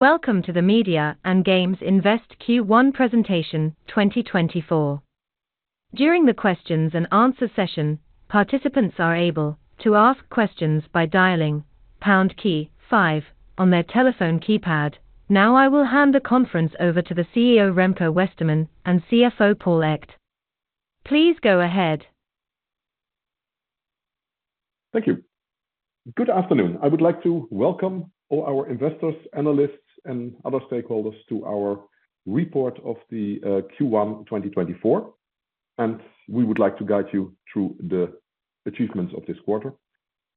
Welcome to the Media and Games Invest Q1 Presentation 2024. During the questions and answers session, participants are able to ask questions by dialing pound key 5 on their telephone keypad. Now I will hand the conference over to the CEO Remco Westermann and CFO Paul Echt. Please go ahead. Thank you. Good afternoon. I would like to welcome all our investors, analysts, and other stakeholders to our report of the Q1 2024, and we would like to guide you through the achievements of this quarter.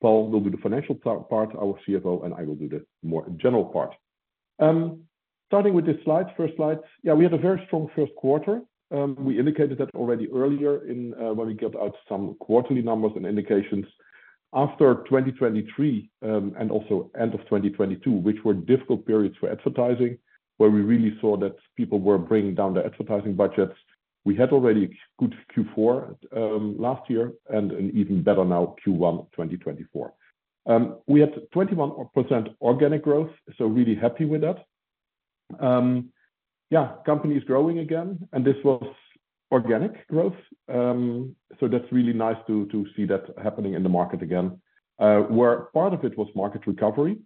Paul will do the financial part, our CFO, and I will do the more general part. Starting with this slide, first slide, yeah, we had a very strong first quarter. We indicated that already earlier when we got out some quarterly numbers and indications. After 2023 and also end of 2022, which were difficult periods for advertising, where we really saw that people were bringing down their advertising budgets, we had already a good Q4 last year and an even better now Q1 2024. We had 21% organic growth, so really happy with that. Yeah, company is growing again, and this was organic growth, so that's really nice to see that happening in the market again, where part of it was market recovery,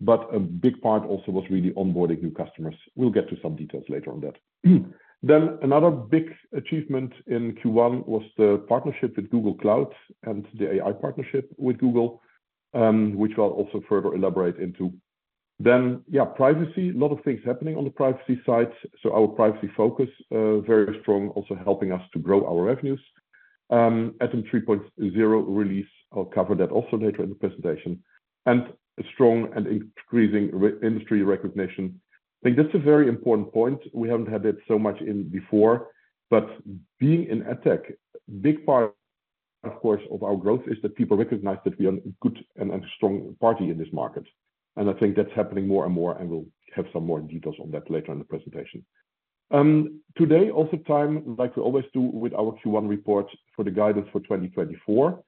but a big part also was really onboarding new customers. We'll get to some details later on that. Then another big achievement in Q1 was the partnership with Google Cloud and the AI partnership with Google, which I'll also further elaborate into. Then, yeah, privacy, a lot of things happening on the privacy side, so our privacy focus very strong, also helping us to grow our revenues. ATOM 3.0 release, I'll cover that also later in the presentation, and strong and increasing industry recognition. I think that's a very important point. We haven't had it so much in before, but being in ad tech, big part, of course, of our growth is that people recognize that we are a good and strong party in this market. I think that's happening more and more, and we'll have some more details on that later in the presentation. Today also time, like we always do with our Q1 report for the guidance for 2024.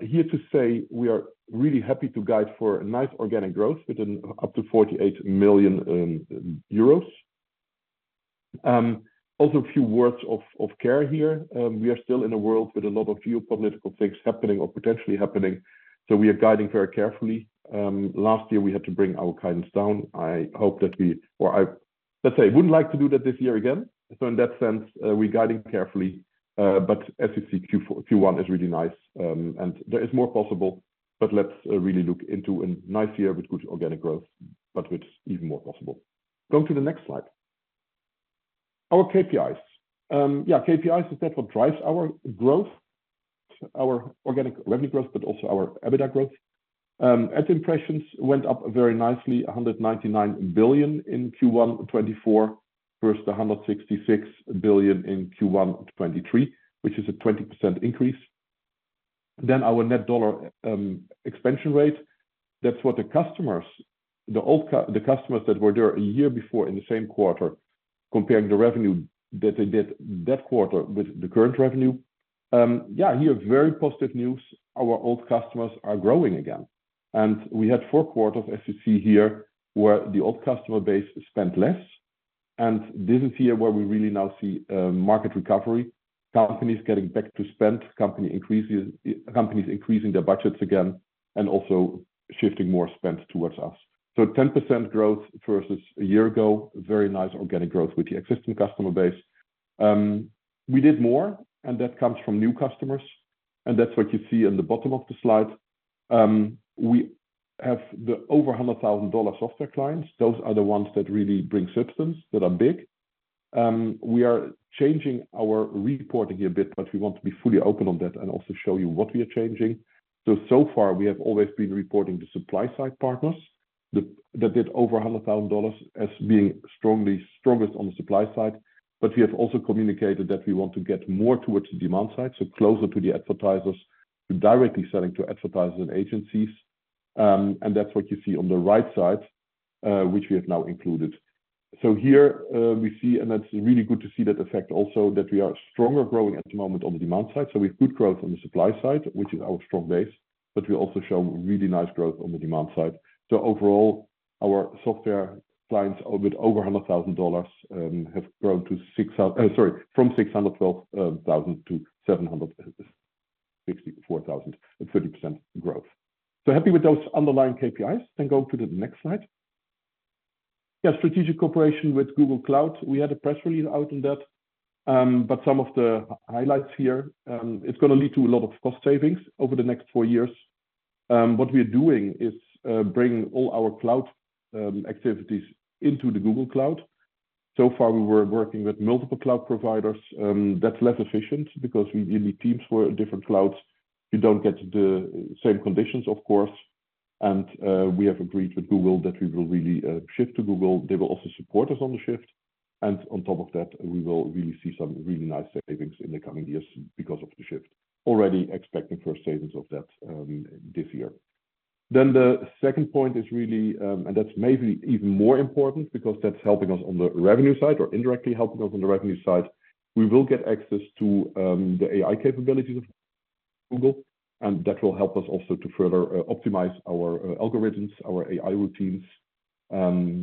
Here to say we are really happy to guide for nice organic growth with up to 48 million euros. Also a few words of care here. We are still in a world with a lot of geopolitical things happening or potentially happening, so we are guiding very carefully. Last year we had to bring our guidance down. I hope that we, or I, let's say, wouldn't like to do that this year again. So in that sense, we're guiding carefully, but as you see, Q1 is really nice, and there is more possible, but let's really look into a nice year with good organic growth, but with even more possible. Going to the next slide our KPIs yeah, KPIs is that what drives our growth, our organic revenue growth, but also our EBITDA growth. Ad impressions went up very nicely, 199 billion in Q1 2024 versus 166 billion in Q1 2023, which is a 20% increase. Then our net dollar expansion rate. That's what the customers, the old customers that were there a year before in the same quarter, comparing the revenue that they did that quarter with the current revenue. Yeah, here very positive news. Our old customers are growing again. And we had four quarters, as you see here, where the old customer base spent less. And this is here where we really now see market recovery, companies getting back to spend, companies increasing their budgets again, and also shifting more spend towards us. So 10% growth versus a year ago, very nice organic growth with the existing customer base. We did more, and that comes from new customers. And that's what you see in the bottom of the slide. We have the over $100,000 software clients. Those are the ones that really bring substance, that are big. We are changing our reporting here a bit, but we want to be fully open on that and also show you what we are changing. So so far we have always been reporting the supply side partners that did over $100,000 as being strongly strongest on the supply side. But we have also communicated that we want to get more towards the demand side, so closer to the advertisers, directly selling to advertisers and agencies. And that's what you see on the right side, which we have now included. So here we see, and that's really good to see that effect also, that we are stronger growing at the moment on the demand side. So we have good growth on the supply side, which is our strong base, but we also show really nice growth on the demand side. So overall, our software clients with over $100,000 have grown to 600,000, sorry from 612,000 to 764,000, a 30% growth. So happy with those underlying KPIs. Then going to the next slide. Yeah, strategic cooperation with Google Cloud. We had a press release out on that, but some of the highlights here, it's going to lead to a lot of cost savings over the next four years. What we are doing is bringing all our cloud activities into the Google Cloud. So far we were working with multiple cloud providers. That's less efficient because we need teams for different clouds. You don't get the same conditions, of course. And we have agreed with Google that we will really shift to Google. They will also support us on the shift. And on top of that, we will really see some really nice savings in the coming years because of the shift, already expecting first savings of that this year. Then the second point is really, and that's maybe even more important because that's helping us on the revenue side or indirectly helping us on the revenue side, we will get access to the AI capabilities of Google. And that will help us also to further optimize our algorithms, our AI routines,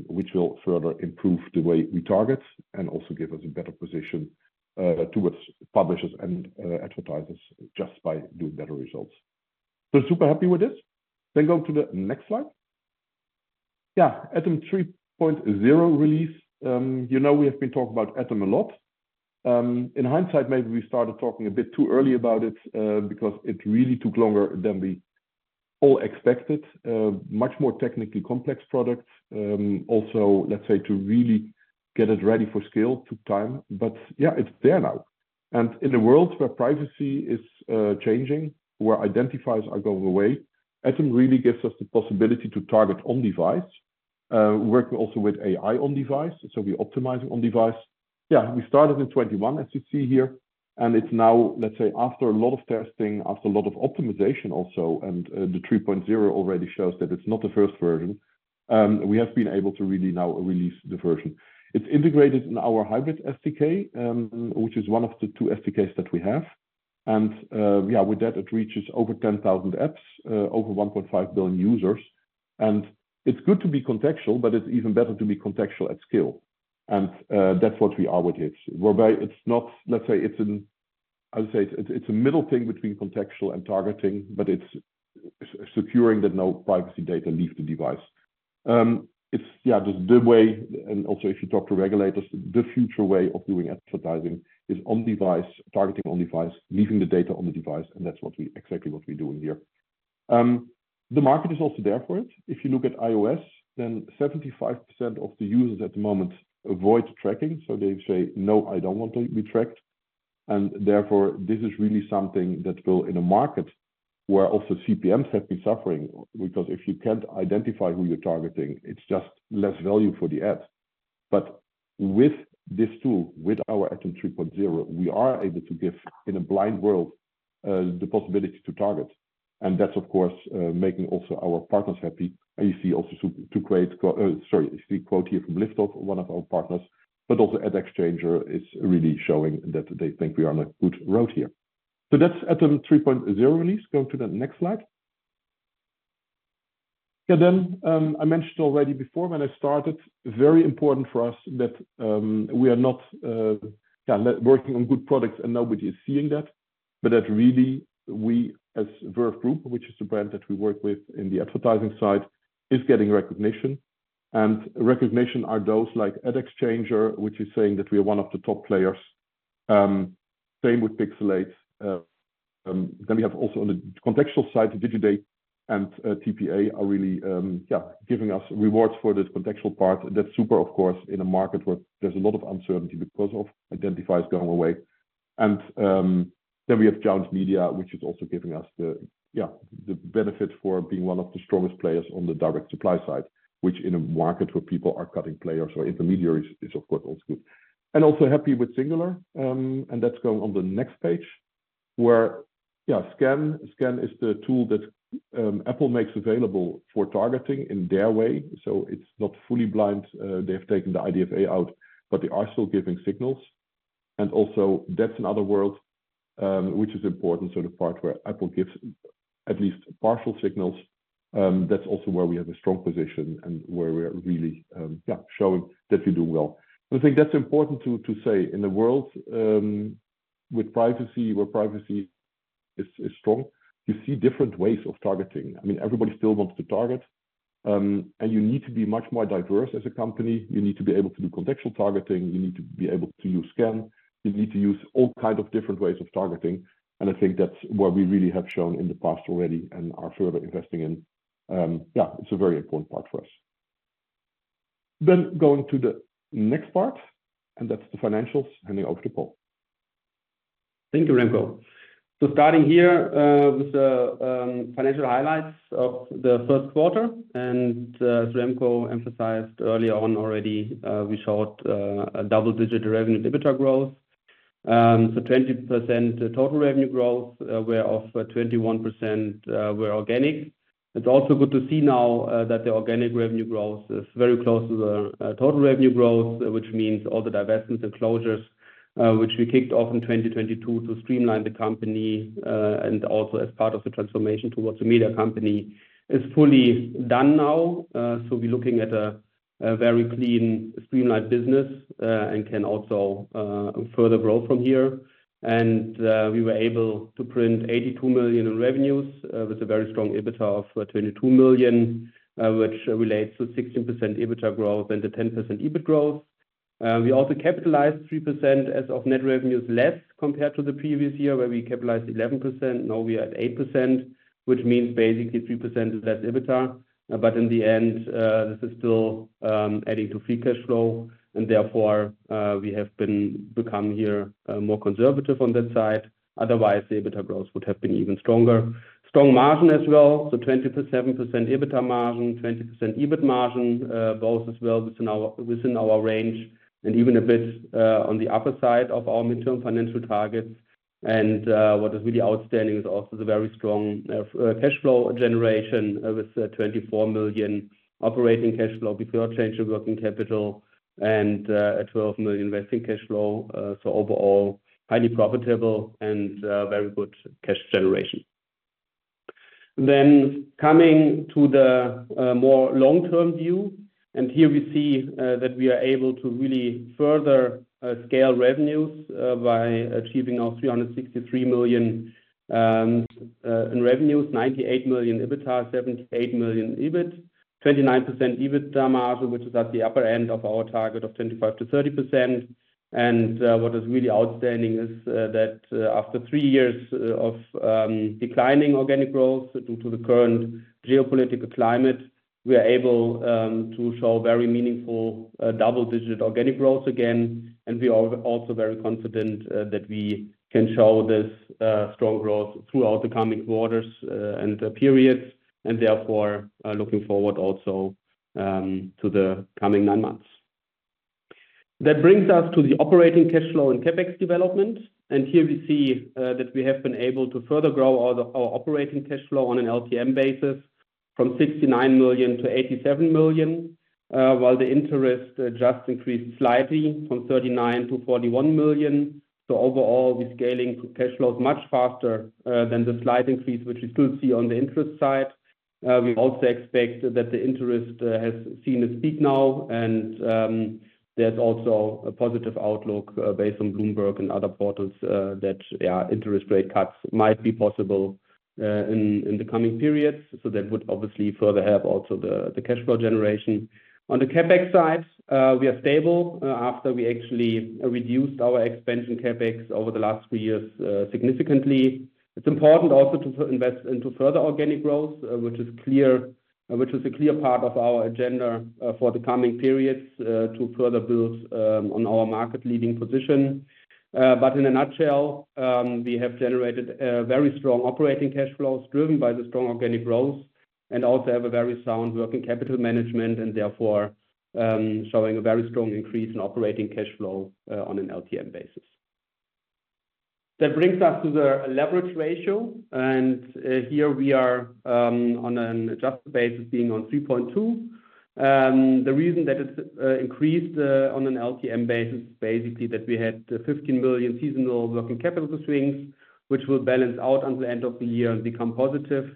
which will further improve the way we target and also give us a better position towards publishers and advertisers just by doing better results. So super happy with this. Then going to the next slide. Yeah, Atom 3.0 release. You know we have been talking about Atom a lot. In hindsight, maybe we started talking a bit too early about it because it really took longer than we all expected. Much more technically complex product. Also, let's say, to really get it ready for scale took time. But yeah, it's there now. In a world where privacy is changing, where identifiers are going away, Atom really gives us the possibility to target on-device, work also with AI on-device, so we optimize on-device. Yeah, we started in 2021, as you see here, and it's now, let's say, after a lot of testing, after a lot of optimization also, and the 3.0 already shows that it's not the first version, we have been able to really now release the version. It's integrated in our HyBid SDK, which is one of the two SDKs that we have. And yeah, with that, it reaches over 10,000 apps, over 1.5 billion users. And it's good to be contextual, but it's even better to be contextual at scale. And that's what we are with it, whereby it's not, let's say, it's an, I would say, it's a middle thing between contextual and targeting, but it's securing that no privacy data leaves the device. It's yeah, just the way and also if you talk to regulators, the future way of doing advertising is on-device, targeting on-device, leaving the data on the device. And that's exactly what we're doing here. The market is also there for it. If you look at iOS, then 75% of the users at the moment avoid tracking. So they say, no, I don't want to be tracked. And therefore, this is really something that will, in a market where also CPMs have been suffering, because if you can't identify who you're targeting, it's just less value for the ad. But with this tool, with our Atom 3.0 we are able to give, in a blind world, the possibility to target. And that's, of course, making also our partners happy. And you see also, sorry, you see a quote here from Liftoff, one of our partners. But also AdExchanger is really showing that they think we are on a good road here. So that's Atom 3.0 release. Going to the next slide. Yeah, then I mentioned already before when I started, very important for us that we are not, yeah, working on good products and nobody is seeing that, but that really we, as Verve Group, which is the brand that we work with in the advertising side, is getting recognition. And recognition are those like AdExchanger, which is saying that we are one of the top players. Same with Pixalate. Then we have also on the contextual side, Digiday and TPA are really, yeah, giving us rewards for this contextual part. That's super, of course, in a market where there's a lot of uncertainty because of identifiers going away. Then we have Jounce Media, which is also giving us the, yeah, the benefit for being one of the strongest players on the direct supply side, which in a market where people are cutting players or intermediaries is, of course, also good. And also happy with Singular. And that's going on the next page, where yeah, SKAN is the tool that Apple makes available for targeting in their way. So it's not fully blind. They have taken the IDFA out, but they are still giving signals. And also that's another world, which is important, so the part where Apple gives at least partial signals. That's also where we have a strong position and where we're really, yeah, showing that we're doing well. And I think that's important to say in a world with privacy, where privacy is strong, you see different ways of targeting. I mean, everybody still wants to target. And you need to be much more diverse as a company. You need to be able to do contextual targeting. You need to be able to use Scan. You need to use all kinds of different ways of targeting. And I think that's where we really have shown in the past already and are further investing in. Yeah, it's a very important part for us. Then going to the next part, and that's the financials, handing over to Paul. Thank you, Remco. So starting here with the financial highlights of the first quarter. And as Remco emphasized earlier on already, we showed a double-digit revenue growth. So 20% total revenue growth, whereof 21% were organic. It's also good to see now that the organic revenue growth is very close to the total revenue growth, which means all the divestments and closures, which we kicked off in 2022 to streamline the company and also as part of the transformation towards a media company, is fully done now. So we're looking at a very clean, streamlined business and can also further grow from here. And we were able to print 82 million in revenues with a very strong EBITDA of 22 million, which relates to 16% EBITDA growth and the 10% EBIT growth. We also capitalized 3% of net revenues less compared to the previous year where we capitalized 11%. Now we are at 8%, which means basically 3% less EBITDA. But in the end, this is still adding to free cash flow. And therefore, we have become here more conservative on that side. Otherwise, the EBITDA growth would have been even stronger. Strong margin as well. So 27% EBITDA margin, 20% EBIT margin, both as well within our range and even a bit on the upper side of our midterm financial targets. And what is really outstanding is also the very strong cash flow generation with 24 million operating cash flow before change in working capital and 12 million investing cash flow. So overall, highly profitable and very good cash generation. Then coming to the more long-term view. Here we see that we are able to really further scale revenues by achieving our 363 million in revenues, 98 million EBITDA, 78 million EBIT, 29% EBITDA margin, which is at the upper end of our target of 25%-30%. What is really outstanding is that after three years of declining organic growth due to the current geopolitical climate, we are able to show very meaningful double-digit organic growth again. We are also very confident that we can show this strong growth throughout the coming quarters and periods and therefore looking forward also to the coming nine months. That brings us to the operating cash flow and CapEx development. Here we see that we have been able to further grow our operating cash flow on an LTM basis from 69 million to 87 million, while the interest just increased slightly from 39 million to 41 million. Overall, we're scaling cash flows much faster than the slight increase, which we still see on the interest side. We also expect that the interest has seen a peak now. There's also a positive outlook based on Bloomberg and other portals that interest rate cuts might be possible in the coming periods. That would obviously further help also the cash flow generation. On the CapEx side, we are stable after we actually reduced our expansion CapEx over the last three years significantly. It's important also to invest into further organic growth, which is clear, which is a clear part of our agenda for the coming periods to further build on our market-leading position. But in a nutshell, we have generated very strong operating cash flows driven by the strong organic growth and also have a very sound working capital management and therefore showing a very strong increase in operating cash flow on an LTM basis. That brings us to the leverage ratio. Here we are on an adjusted basis being on 3.2. The reason that it's increased on an LTM basis is basically that we had 15 million seasonal working capital swings, which will balance out until the end of the year and become positive.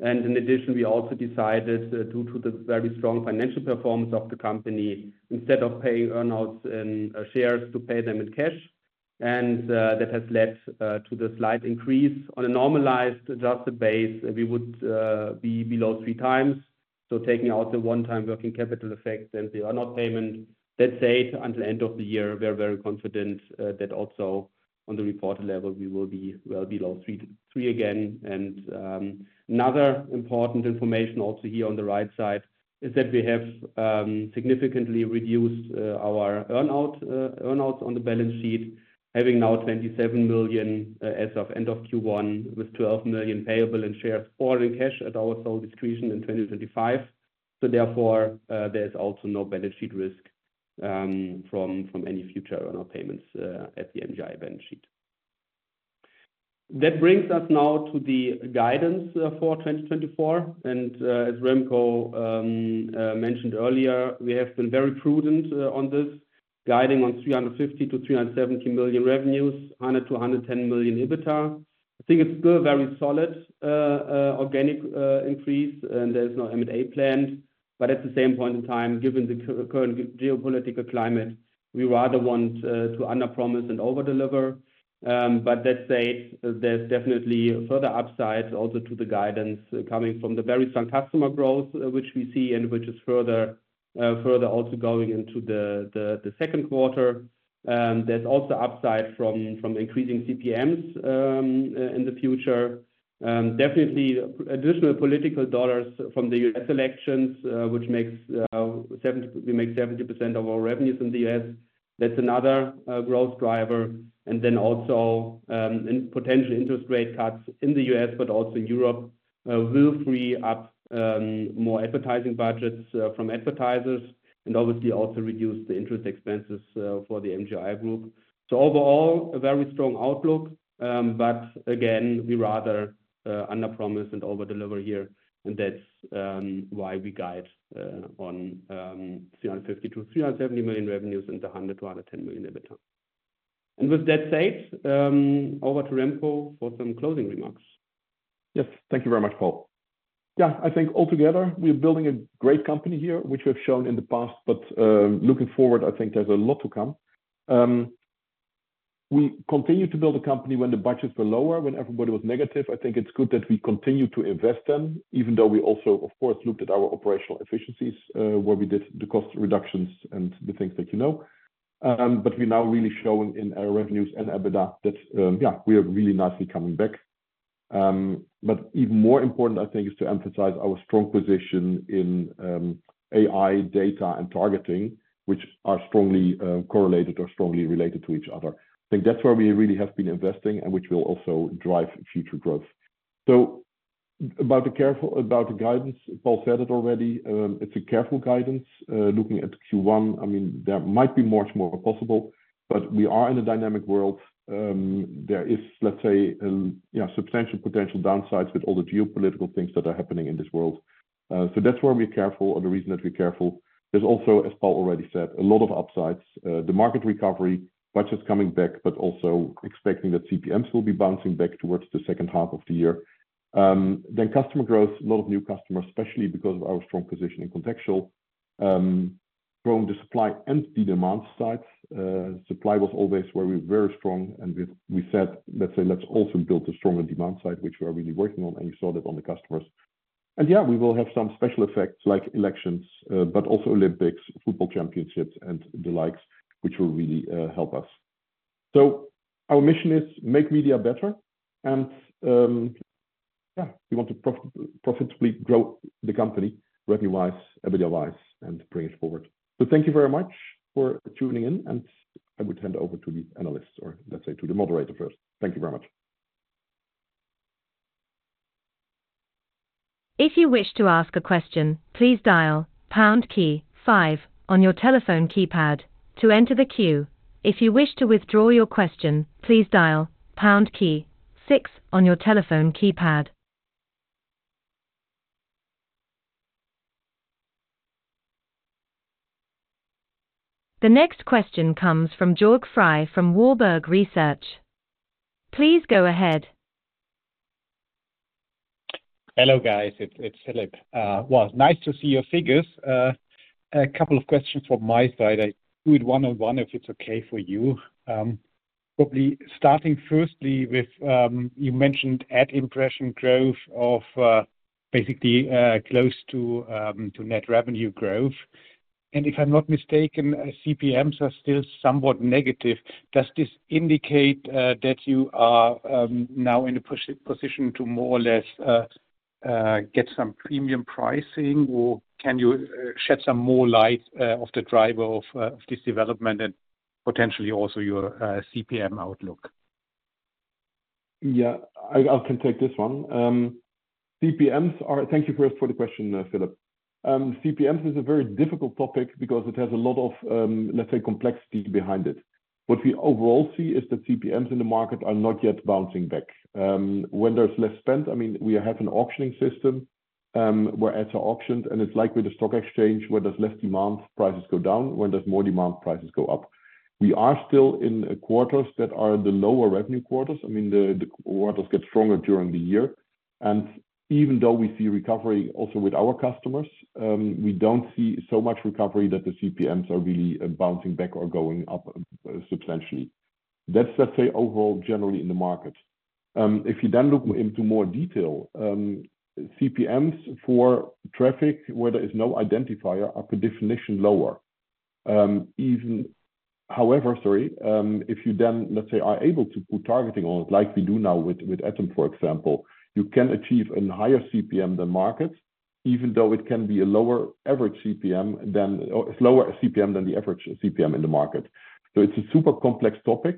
In addition, we also decided due to the very strong financial performance of the company, instead of paying earnouts in shares, to pay them in cash. That has led to the slight increase on a normalized adjusted base we would be below 3 times. So taking out the one-time working capital effect and the earnout payment, that said, until the end of the year, we're very confident that also on the reported level, we will be well below three again. And another important information also here on the right side is that we have significantly reduced our earnouts on the balance sheet, having now 27 million as of end of Q1 with 12 million payable in shares or in cash at our sole discretion in 2025. So therefore, there is also no balance sheet risk from any future earnout payments at the MGI balance sheet. That brings us now to the guidance for 2024. And as Remco mentioned earlier, we have been very prudent on this, guiding on 350-370 million revenues, 100 million-110 million EBITDA. I think it's still a very solid organic increase, and there is no MA planned. But at the same point in time, given the current geopolitical climate, we rather want to under promise and overdeliver. But that said, there's definitely further upside also to the guidance coming from the very strong customer growth, which we see and which is further also going into the second quarter. There's also upside from increasing CPMs in the future. Definitely additional political dollars from the US elections, which makes 70% of our revenues in the US. That's another growth driver. And then also potential interest rate cuts in the US, but also in Europe, will free up more advertising budgets from advertisers and obviously also reduce the interest expenses for the MGI Group. So overall, a very strong outlook. But again, we rather underpromise and overdeliver here. And that's why we guide on 350 million-370 million revenues and 100 million-110 million EBITDA. With that said, over to Remco for some closing remarks. Yes, thank you very much, Paul. Yeah, I think altogether, we're building a great company here, which we have shown in the past. But looking forward, I think there's a lot to come. We continue to build a company when the budgets were lower, when everybody was negative. I think it's good that we continue to invest then, even though we also, of course, looked at our operational efficiencies where we did the cost reductions and the things that you know. But we're now really showing in our revenues and EBITDA that, yeah, we are really nicely coming back. But even more important, I think, is to emphasize our strong position in AI, data, and targeting, which are strongly correlated or strongly related to each other. I think that's where we really have been investing and which will also drive future growth. So about the guidance, Paul said it already. It's a careful guidance. Looking at Q1, I mean, there might be much more possible, but we are in a dynamic world. There is, let's say, substantial potential downsides with all the geopolitical things that are happening in this world. So that's where we're careful or the reason that we're careful. There's also, as Paul already said, a lot of upsides, the market recovery, budgets coming back, but also expecting that CPMs will be bouncing back towards the second half of the year. Then customer growth, a lot of new customers, especially because of our strong position in contextual, growing the supply and the demand sides. Supply was always where we were very strong. And we said, let's say, let's also build a stronger demand side, which we are really working on. And you saw that on the customers. And yeah, we will have some special effects like elections, but also Olympics, football championships, and the likes, which will really help us. So our mission is make media better. And yeah, we want to profitably grow the company revenue-wise, EBITDA-wise, and bring it forward. So thank you very much for tuning in. And I would hand over to the analysts or let's say to the moderator first. Thank you very much. If you wish to ask a question, please dial pound key 5 on your telephone keypad to enter the queue. If you wish to withdraw your question, please dial pound key 6 on your telephone keypad. The next question comes from Jörg Frey from Warburg Research. Please go ahead. Hello guys. It's Philip. Well, nice to see your figures. A couple of questions from my side. I do it one-on-one if it's okay for you. Probably starting firstly with you mentioned ad impression growth of basically close to net revenue growth. And if I'm not mistaken, CPMs are still somewhat negative. Does this indicate that you are now in a position to more or less get some premium pricing, or can you shed some more light off the driver of this development and potentially also your CPM outlook? Yeah, I can take this one. Thank you first for the question, Philip. CPMs are a very difficult topic because it has a lot of, let's say, complexity behind it. What we overall see is that CPMs in the market are not yet bouncing back. When there's less spent, I mean, we have an auctioning system where ads are auctioned. And it's like with the stock exchange where there's less demand, prices go down. When there's more demand, prices go up. We are still in quarters that are the lower revenue quarters. I mean, the quarters get stronger during the year. And even though we see recovery also with our customers, we don't see so much recovery that the CPMs are really bouncing back or going up substantially. That's, let's say, overall generally in the market. If you then look into more detail, CPMs for traffic where there is no identifier are by definition lower. However, sorry, if you then, let's say, are able to put targeting on it like we do now with Atom, for example, you can achieve a higher CPM than markets, even though it can be a lower average CPM than it's lower CPM than the average CPM in the market. So it's a super complex topic.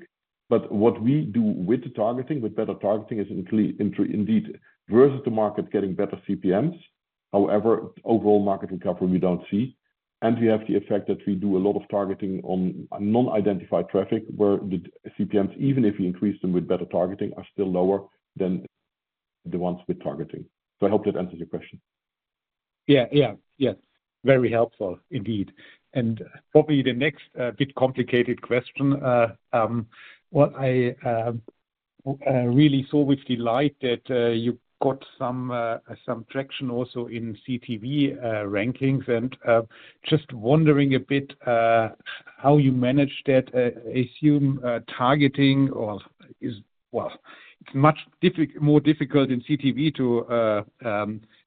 But what we do with the targeting, with better targeting, is indeed versus the market getting better CPMs. However, overall market recovery, we don't see. And we have the effect that we do a lot of targeting on non-identified traffic where the CPMs, even if we increase them with better targeting, are still lower than the ones with targeting. So I hope that answers your question. Yeah, yeah, yes. Very helpful, indeed. Probably the next bit complicated question. What I really saw with delight that you got some traction also in CTV rankings. Just wondering a bit how you manage that. Assume targeting or is well, it's much more difficult in CTV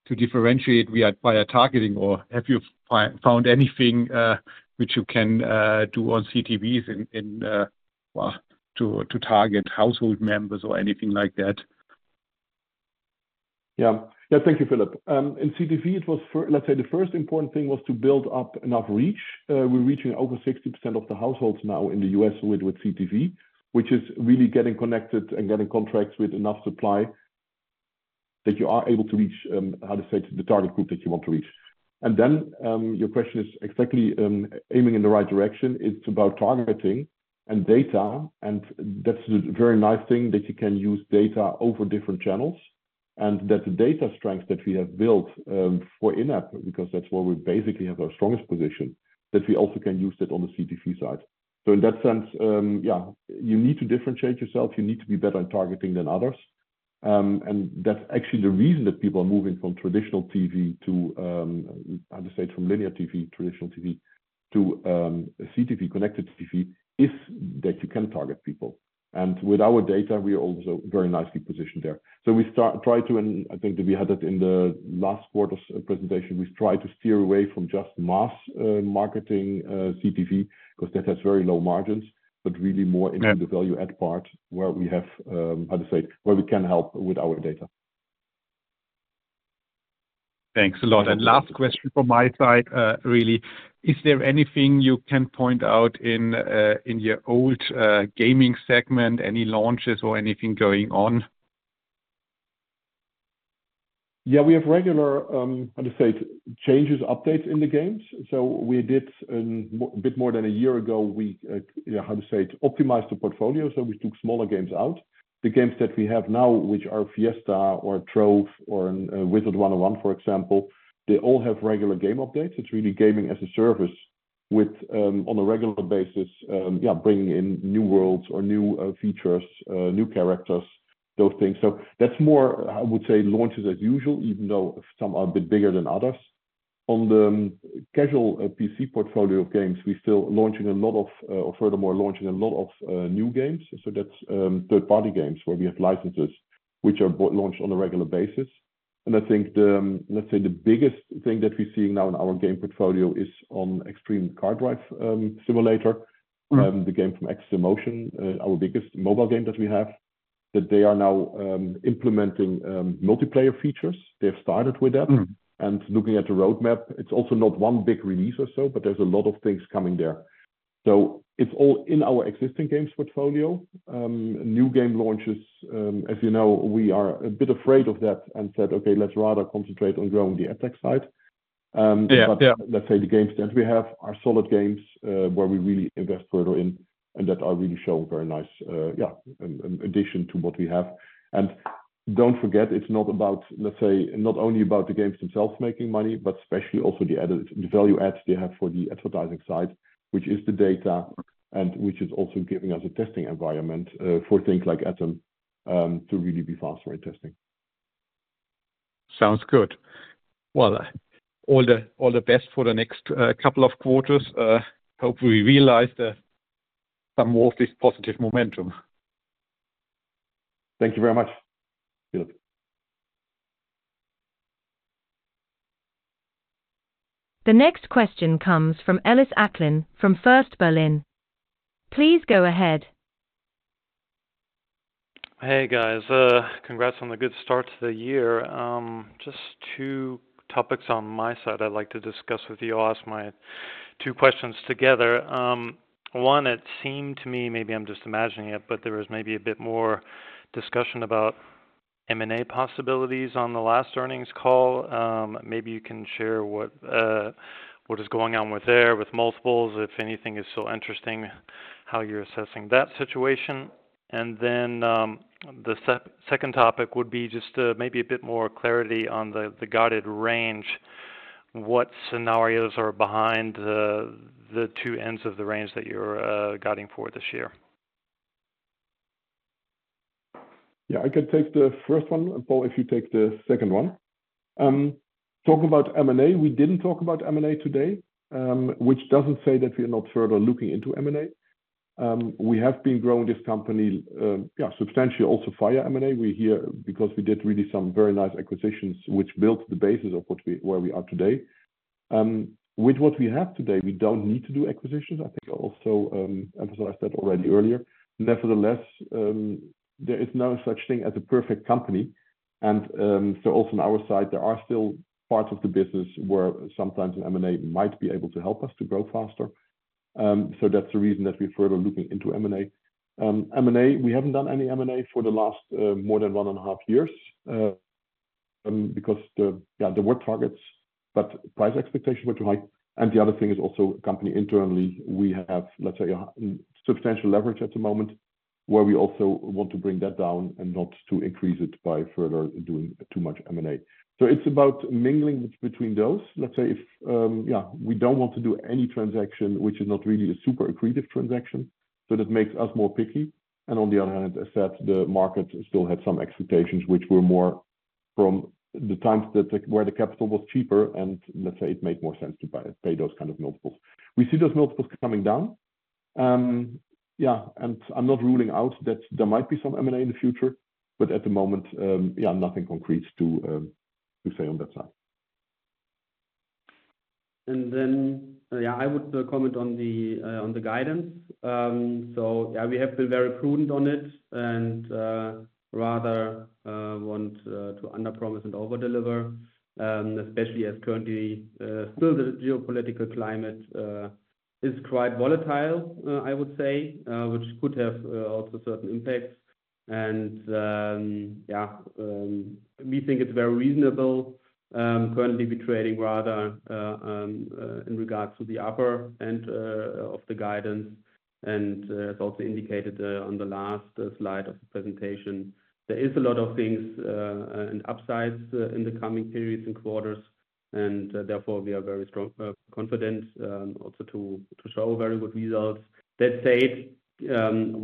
to differentiate via targeting, or have you found anything which you can do on CTVs in, well, to target household members or anything like that? Yeah, yeah, thank you, Philip. In CTV, it was, let's say, the first important thing was to build up enough reach. We're reaching over 60% of the households now in the U.S. with CTV, which is really getting connected and getting contracts with enough supply that you are able to reach, how to say, the target group that you want to reach. And then your question is exactly aiming in the right direction. It's about targeting and data. And that's a very nice thing that you can use data over different channels and that the data strength that we have built for in-app, because that's where we basically have our strongest position, that we also can use that on the CTV side. So in that sense, yeah, you need to differentiate yourself. You need to be better at targeting than others. And that's actually the reason that people are moving from traditional TV to, how to say, from linear TV, traditional TV, to CTV, connected TV, is that you can target people. And with our data, we are also very nicely positioned there. So we try to, and I think that we had that in the last quarter's presentation, we try to steer away from just mass marketing CTV because that has very low margins, but really more into the value-add part where we have, how to say, where we can help with our data. Thanks a lot. And last question from my side, really. Is there anything you can point out in your own gaming segment, any launches or anything going on? Yeah, we have regular changes, updates in the games. So we did a bit more than a year ago, we optimized the portfolio. So we took smaller games out. The games that we have now, which are Fiesta or Trove or Wizard101, for example, they all have regular game updates. It's really gaming as a service with, on a regular basis, yeah, bringing in new worlds or new features, new characters, those things. So that's more, I would say, launches as usual, even though some are a bit bigger than others. On the casual PC portfolio of games, we're still launching a lot of, or furthermore, launching a lot of new games. So that's third-party games where we have licenses, which are launched on a regular basis. I think the, let's say, the biggest thing that we're seeing now in our game portfolio is on Extreme Car Driving Simulator, the game from AxesInMotion, our biggest mobile game that we have, that they are now implementing multiplayer features. They have started with that. Looking at the roadmap, it's also not one big release or so, but there's a lot of things coming there. So it's all in our existing games portfolio. New game launches, as you know, we are a bit afraid of that and said, "Okay, let's rather concentrate on growing the ad tech side." But let's say the games that we have are solid games where we really invest further in and that are really showing very nice, yeah, addition to what we have. Don't forget, it's not about, let's say, not only about the games themselves making money, but especially also the value adds they have for the advertising side, which is the data and which is also giving us a testing environment for things like Atom to really be faster in testing. Sounds good. Well, all the best for the next couple of quarters. Hope we realize some more of this positive momentum. Thank you very much, Philip. The next question comes from Ellis Acklin from First Berlin. Please go ahead. Hey guys. Congrats on the good start to the year. Just 2 topics on my side I'd like to discuss with you. I'll ask my 2 questions together. 1, it seemed to me, maybe I'm just imagining it, but there was maybe a bit more discussion about M&A possibilities on the last earnings call. Maybe you can share what is going on with there, with multiples, if anything is still interesting, how you're assessing that situation. And then the second topic would be just maybe a bit more clarity on the guided range, what scenarios are behind the 2 ends of the range that you're guiding for this year? Yeah, I can take the first one. Paul, if you take the second one. Talking about M&A, we didn't talk about M&A today, which doesn't say that we are not further looking into M&A. We have been growing this company, yeah, substantially also via M&A. We're here because we did really some very nice acquisitions, which built the basis of where we are today. With what we have today, we don't need to do acquisitions. I think I also emphasized that already earlier. Nevertheless, there is no such thing as a perfect company. And so also on our side, there are still parts of the business where sometimes an M&A might be able to help us to grow faster. So that's the reason that we're further looking into M&A. M&A, we haven't done any M&A for the last more than 1.5 years because the, yeah, the valuation targets but price expectations were too high. The other thing is also company internally, we have, let's say, substantial leverage at the moment where we also want to bring that down and not to increase it by further doing too much M&A. It's about balancing between those. Let's say if, yeah, we don't want to do any transaction, which is not really a super accretive transaction. That makes us more picky. On the other hand, as said, the market still had some expectations, which were more from the times when the capital was cheaper and let's say it made more sense to pay those kind of multiples. We see those multiples coming down. Yeah, and I'm not ruling out that there might be some M&A in the future. But at the moment, yeah, nothing concrete to say on that side. And then, yeah, I would comment on the guidance. So yeah, we have been very prudent on it and rather want to under promise and overdeliver, especially as currently still the geopolitical climate is quite volatile, I would say, which could have also certain impacts. And yeah, we think it's very reasonable currently to be trading rather in regards to the upper end of the guidance. And as also indicated on the last slide of the presentation, there is a lot of things and upsides in the coming periods and quarters. And therefore, we are very confident also to show very good results. That said,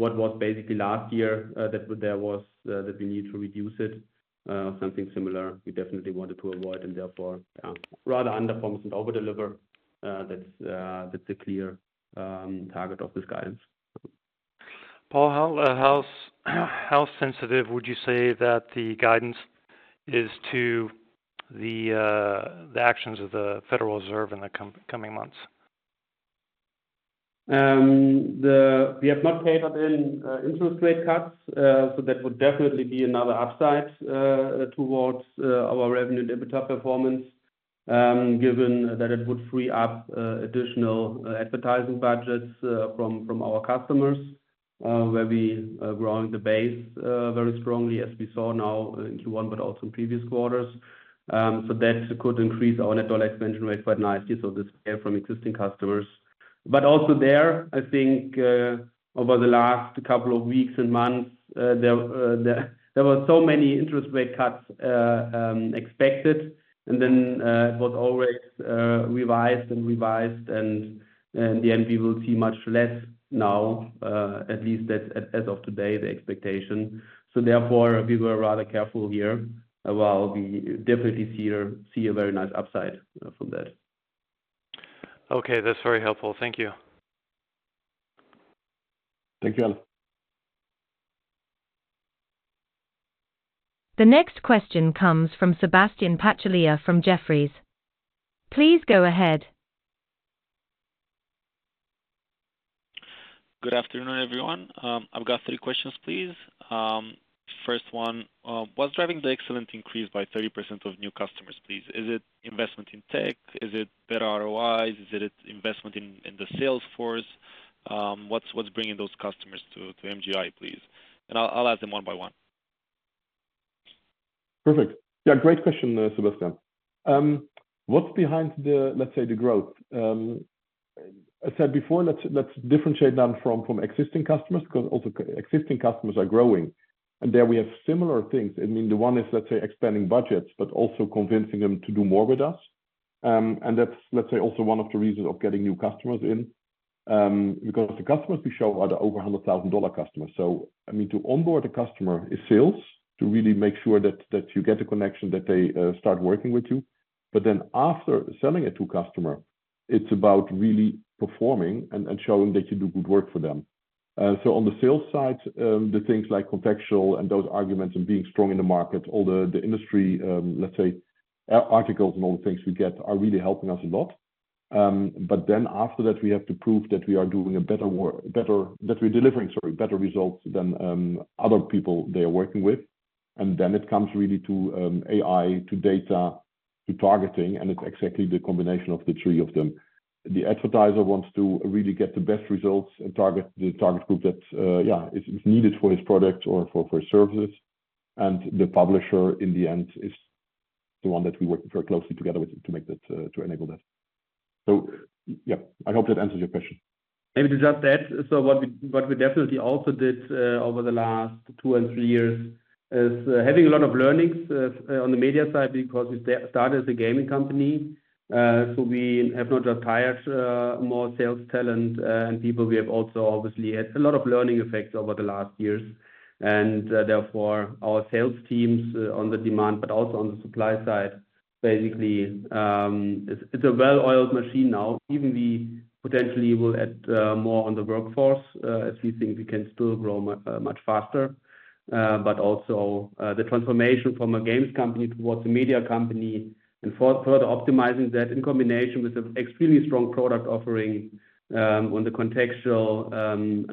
what was basically last year that there was that we need to reduce it, something similar we definitely wanted to avoid. And therefore, yeah, rather under promise and over deliver. That's the clear target of this guidance. Paul, how sensitive would you say that the guidance is to the actions of the Federal Reserve in the coming months? We have not factored in interest rate cuts. So that would definitely be another upside towards our revenue, EBITDA performance given that it would free up additional advertising budgets from our customers where we are growing the base very strongly as we saw now in Q1, but also in previous quarters. So that could increase our Net Dollar Expansion Rate quite nicely. So this came from existing customers. But also there, I think over the last couple of weeks and months, there were so many interest rate cuts expected. And then it was always revised and revised. And in the end, we will see much less now, at least that's, as of today, the expectation. So therefore, we were rather careful here. While we definitely see a very nice upside from that. Okay, that's very helpful. Thank you. Thank you, Ellis. The next question comes from Sebastian Patulea from Jefferies. Please go ahead. Good afternoon, everyone. I've got three questions, please. First one, what's driving the excellent increase by 30% of new customers, please? Is it investment in tech? Is it better ROIs? Is it investment in the sales force? What's bringing those customers to MGI, please? And I'll ask them one by one. Perfect. Yeah, great question, Sebastian. What's behind the, let's say, the growth? As said before, let's differentiate now from existing customers because also existing customers are growing. There we have similar things. I mean, the one is, let's say, expanding budgets, but also convincing them to do more with us. That's, let's say, also one of the reasons of getting new customers in because the customers we show are the over $100,000 customers. I mean, to onboard a customer is sales to really make sure that you get the connection, that they start working with you. But then after selling it to a customer, it's about really performing and showing that you do good work for them. So on the sales side, the things like contextual and those arguments and being strong in the market, all the industry, let's say, articles and all the things we get are really helping us a lot. But then after that, we have to prove that we are doing a better that we're delivering, sorry, better results than other people they are working with. And then it comes really to AI, to data, to targeting. And it's exactly the combination of the three of them. The advertiser wants to really get the best results and target the target group that, yeah, is needed for his product or for his services. And the publisher, in the end, is the one that we work very closely together with to make that to enable that. So yeah, I hope that answers your question. Maybe to just add. So what we definitely also did over the last 2 and 3 years is having a lot of learnings on the media side because we started as a gaming company. So we have not just hired more sales talent and people. We have also obviously had a lot of learning effects over the last years. And therefore, our sales teams on the demand, but also on the supply side, basically, it's a well-oiled machine now. Even we potentially will add more on the workforce as we think we can still grow much faster. But also the transformation from a games company towards a media company and further optimizing that in combination with an extremely strong product offering on the contextual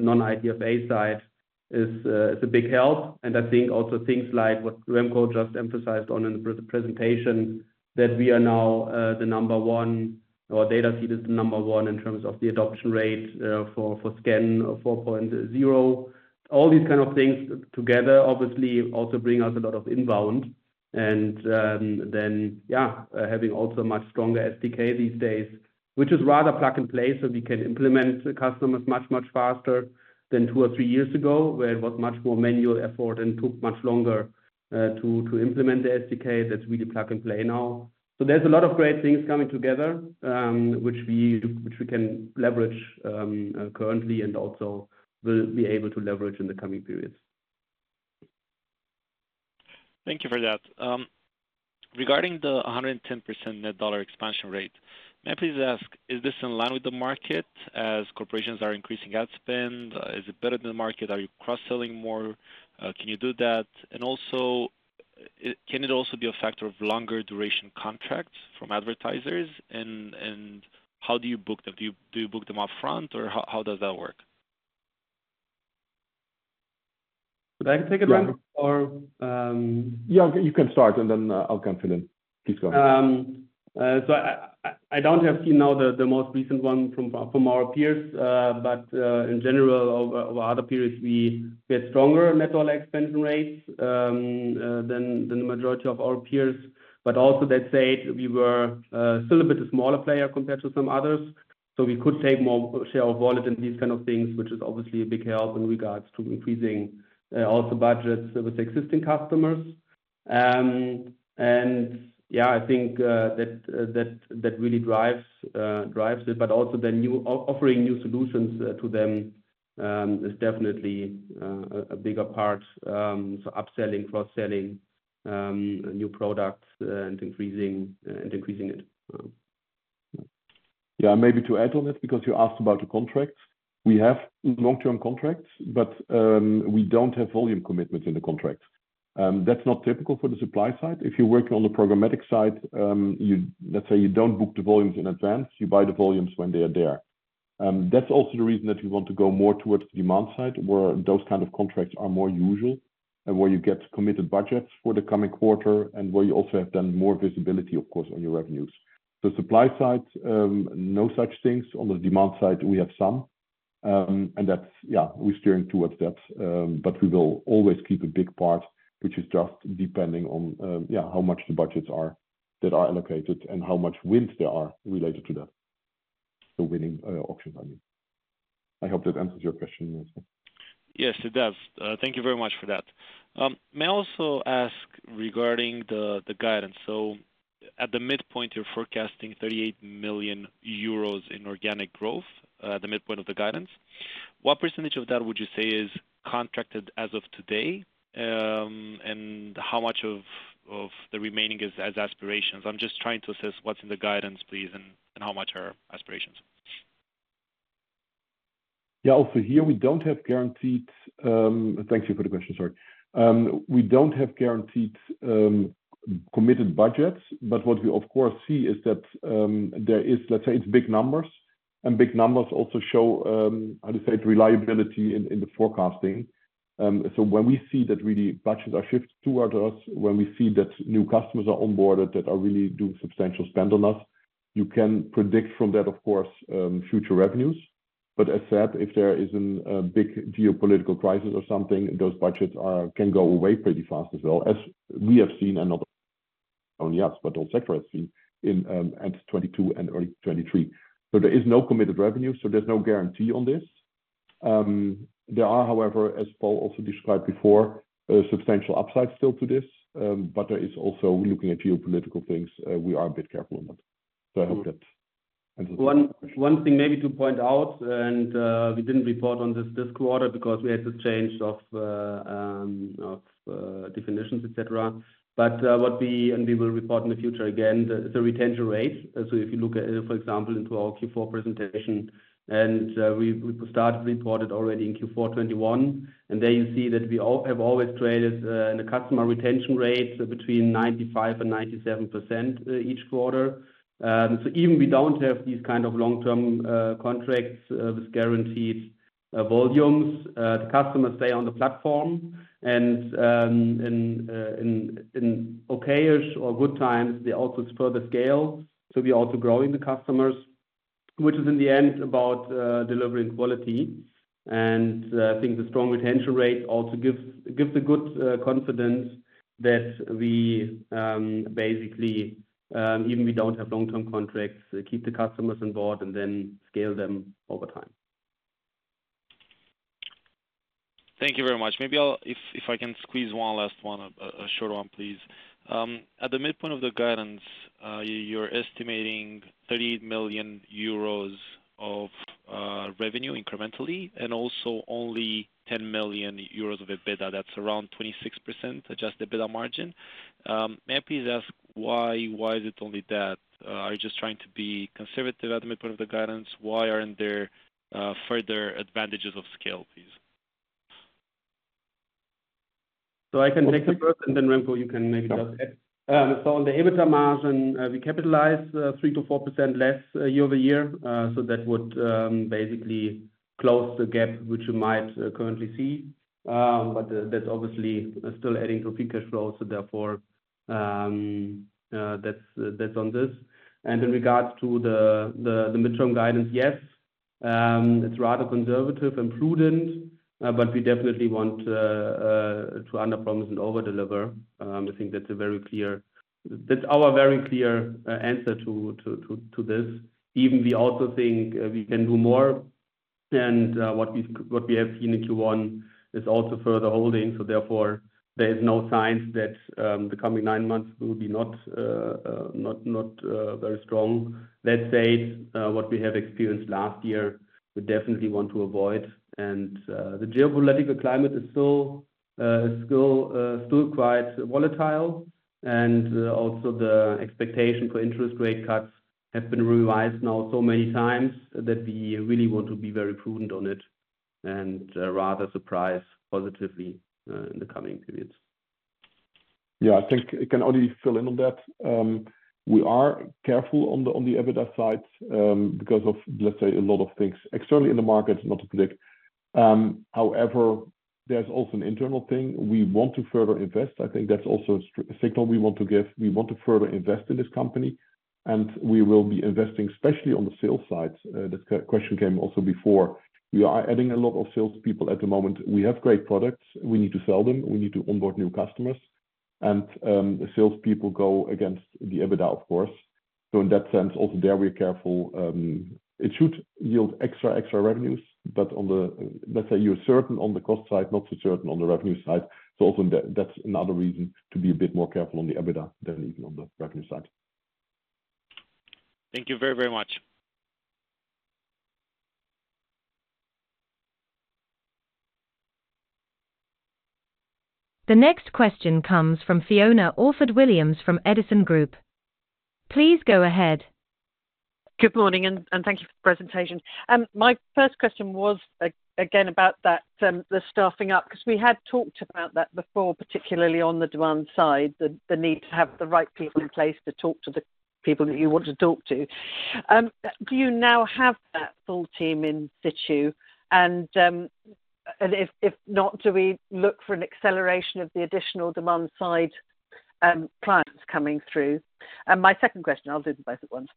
non-IDFA side is a big help. I think also things like what Remco just emphasized on in the presentation, that we are now the number one or Dataseat is the number one in terms of the adoption rate for Scan 4.0. All these kind of things together, obviously, also bring us a lot of inbound. And then, yeah, having also a much stronger SDK these days, which is rather plug-and-play, so we can implement customers much, much faster than two or three years ago where it was much more manual effort and took much longer to implement the SDK. That's really plug-and-play now. So there's a lot of great things coming together, which we can leverage currently and also will be able to leverage in the coming periods. Thank you for that. Regarding the 110% Net Dollar Expansion Rate, may I please ask, is this in line with the market as corporations are increasing ad spend? Is it better than the market? Are you cross-selling more? Can you do that? And also, can it also be a factor of longer duration contracts from advertisers? And how do you book them? Do you book them upfront or how does that work? Could I take a run or? Yeah, you can start and then I'll come fill in. Please go. So I haven't seen the most recent one from our peers. But in general, over other periods, we get stronger net dollar expansion rates than the majority of our peers. But also that said, we were still a bit of a smaller player compared to some others. So we could take more share of wallet and these kind of things, which is obviously a big help in regards to increasing also budgets with existing customers. And yeah, I think that really drives it. But also then offering new solutions to them is definitely a bigger part. So upselling, cross-selling, new products, and increasing it. Yeah, and maybe to add on it because you asked about the contracts. We have long-term contracts, but we don't have volume commitments in the contracts. That's not typical for the supply side. If you're working on the programmatic side, let's say you don't book the volumes in advance. You buy the volumes when they are there. That's also the reason that we want to go more towards the demand side where those kind of contracts are more usual and where you get committed budgets for the coming quarter and where you also have done more visibility, of course, on your revenues. So supply side, no such things. On the demand side, we have some. And that's, yeah, we're steering towards that. But we will always keep a big part, which is just depending on, yeah, how much the budgets are that are allocated and how much wins there are related to that. So winning auctions, I mean. I hope that answers your question, Sebastian. Yes, it does. Thank you very much for that. May I also ask regarding the guidance? So at the midpoint, you're forecasting 38 million euros in organic growth at the midpoint of the guidance. What percentage of that would you say is contracted as of today? And how much of the remaining is as aspirations? I'm just trying to assess what's in the guidance, please, and how much are aspirations? Yeah, also here, we don't have guaranteed. Thanks for the question, sorry. We don't have guaranteed committed budgets. But what we, of course, see is that there is, let's say, it's big numbers. And big numbers also show, how do you say it, reliability in the forecasting. So when we see that really budgets are shifted towards us, when we see that new customers are onboarded that are really doing substantial spend on us, you can predict from that, of course, future revenues. But as said, if there is a big geopolitical crisis or something, those budgets can go away pretty fast as well as we have seen and not only us, but all sectors have seen in end 2022 and early 2023. So there is no committed revenue. So there's no guarantee on this. There are, however, as Paul also described before, substantial upsides still to this. But there is also looking at geopolitical things, we are a bit careful on that. I hope that answers the question. One thing maybe to point out, and we didn't report on this quarter because we had this change of definitions, etc. But what we and we will report in the future again, it's a retention rate. So if you look at, for example, into our Q4 presentation, and we started reporting already in Q4 2021. And there you see that we have always traded in a customer retention rate between 95%-97% each quarter. So even we don't have these kind of long-term contracts with guaranteed volumes. The customers stay on the platform. And in okay-ish or good times, they also further scale. So we are also growing the customers, which is in the end about delivering quality. I think the strong retention rate also gives a good confidence that we basically don't have long-term contracts, keep the customers on board, and then scale them over time. Thank you very much. Maybe if I can squeeze one last one, a short one, please. At the midpoint of the guidance, you're estimating 38 million euros of revenue incrementally and also only 10 million euros of EBITDA. That's around 26%, adjusted EBITDA margin. May I please ask why is it only that? Are you just trying to be conservative at the midpoint of the guidance? Why aren't there further advantages of scale, please? So I can take it first, and then Remco, you can maybe just add. So on the EBITDA margin, we capitalize 3%-4% less year-over-year. So that would basically close the gap, which you might currently see. But that's obviously still adding to free cash flow. So therefore, that's on this. And in regards to the mid-term guidance, yes, it's rather conservative and prudent. But we definitely want to under promise and overdeliver. I think that's a very clear. That's our very clear answer to this. Even we also think we can do more. And what we have seen in Q1 is also further holding. So therefore, there is no signs that the coming nine months will be not very strong. Let's say what we have experienced last year, we definitely want to avoid. And the geopolitical climate is still quite volatile. Also the expectation for interest rate cuts have been revised now so many times that we really want to be very prudent on it and rather surprise positively in the coming periods. Yeah, I think I can only fill in on that. We are careful on the EBITDA side because of, let's say, a lot of things externally in the market, not to predict. However, there's also an internal thing. We want to further invest. I think that's also a signal we want to give. We want to further invest in this company. And we will be investing especially on the sales side. That question came also before. We are adding a lot of salespeople at the moment. We have great products. We need to sell them. We need to onboard new customers. And the salespeople go against the EBITDA, of course. So in that sense, also there we are careful. It should yield extra, extra revenues. But let's say you're certain on the cost side, not so certain on the revenue side. Also, that's another reason to be a bit more careful on the EBITDA than even on the revenue side. Thank you very, very much. The next question comes from Fiona Orford-Williams from Edison Group. Please go ahead. Good morning, and thank you for the presentation. My first question was again about the staffing up because we had talked about that before, particularly on the demand side, the need to have the right people in place to talk to the people that you want to talk to. Do you now have that full team in situ? And if not, do we look for an acceleration of the additional demand side clients coming through? And my second question, I'll do the both at once,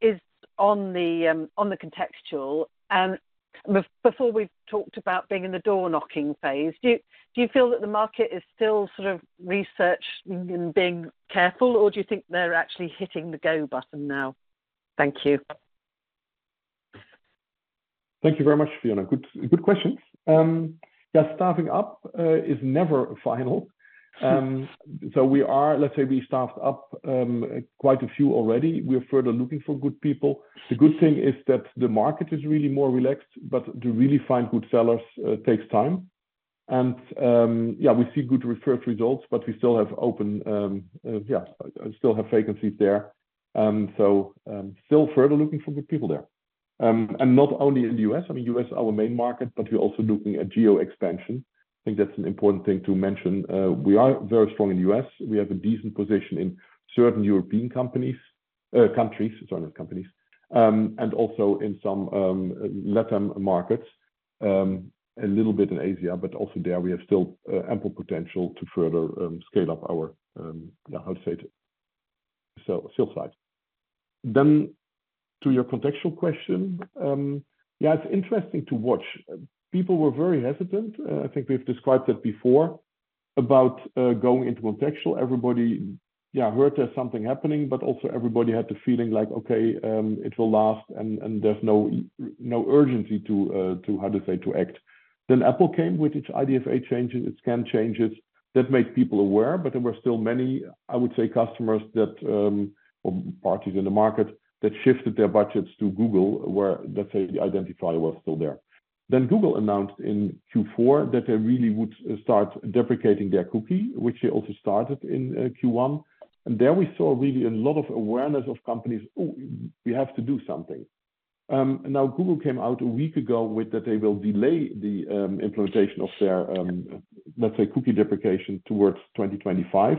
is on the contextual. And before we've talked about being in the door-knocking phase, do you feel that the market is still sort of researched and being careful, or do you think they're actually hitting the go button now? Thank you. Thank you very much, Fiona. Good questions. Yeah, staffing up is never final. So let's say we staffed up quite a few already. We are further looking for good people. The good thing is that the market is really more relaxed, but to really find good sellers takes time. And yeah, we see good referral results, but we still have open, yeah, I still have vacancies there. So still further looking for good people there. And not only in the U.S. I mean, U.S. is our main market, but we're also looking at geo expansion. I think that's an important thing to mention. We are very strong in the U.S. We have a decent position in certain European companies, countries, sorry, not companies, and also in some Latin markets, a little bit in Asia, but also there we have still ample potential to further scale up our, yeah, how to say it, sales side. Then to your contextual question, yeah, it's interesting to watch. People were very hesitant. I think we've described that before about going into contextual. Everybody, yeah, heard there's something happening, but also everybody had the feeling like, okay, it will last and there's no urgency to, how do you say, to act. Then Apple came with its IDFA changes, its SKAN changes. That made people aware, but there were still many, I would say, customers that or parties in the market that shifted their budgets to Google where, let's say, the identifier was still there. Then Google announced in Q4 that they really would start deprecating their cookie, which they also started in Q1. And there we saw really a lot of awareness of companies, oh, we have to do something. Now, Google came out a week ago with that they will delay the implementation of their, let's say, cookie deprecation towards 2025.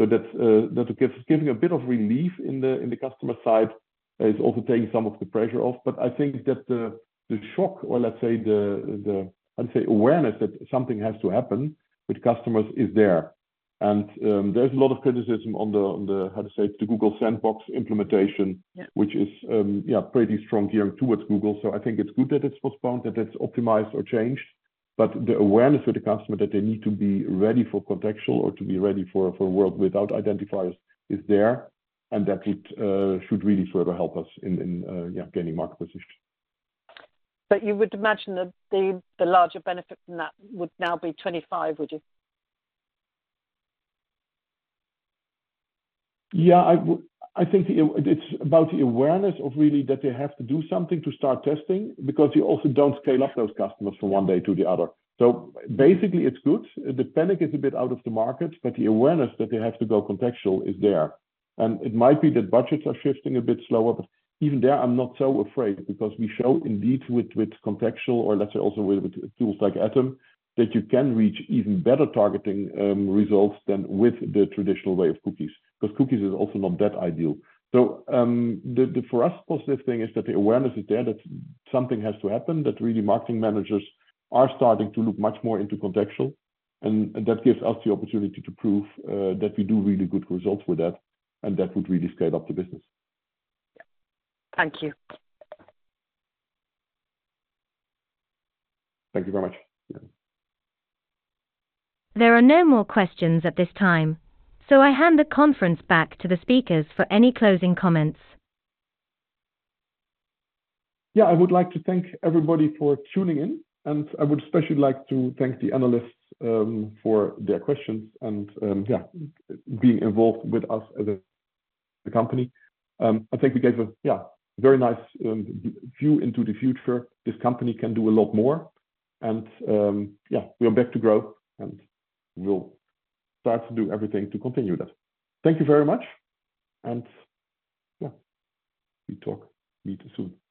So that's giving a bit of relief in the customer side. It's also taking some of the pressure off. But I think that the shock or, let's say, the, how do you say, awareness that something has to happen with customers is there. And there's a lot of criticism on the, how to say, the Google Sandbox implementation, which is, yeah, pretty strong gearing towards Google. So I think it's good that it's postponed, that it's optimized or changed. But the awareness with the customer that they need to be ready for contextual or to be ready for a world without identifiers is there. And that should really further help us in, yeah, gaining market position. You would imagine that the larger benefit from that would now be 25, would you? Yeah, I think it's about the awareness of really that they have to do something to start testing because you also don't scale up those customers from one day to the other. So basically, it's good. The panic is a bit out of the market, but the awareness that they have to go contextual is there. It might be that budgets are shifting a bit slower, but even there, I'm not so afraid because we show indeed with contextual or, let's say, also with tools like Atom that you can reach even better targeting results than with the traditional way of cookies because cookies is also not that ideal. So for us, the positive thing is that the awareness is there that something has to happen, that really marketing managers are starting to look much more into contextual. That gives us the opportunity to prove that we do really good results with that. That would really scale up the business. Thank you. Thank you very much. There are no more questions at this time. So I hand the conference back to the speakers for any closing comments. Yeah, I would like to thank everybody for tuning in. I would especially like to thank the analysts for their questions and, yeah, being involved with us as a company. I think we gave a yeah, very nice view into the future. This company can do a lot more. Yeah, we are back to growth and we'll start to do everything to continue that. Thank you very much. Yeah, we talk soon.